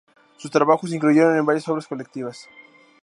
Sus trabajos se incluyeron en varias obras colectivas.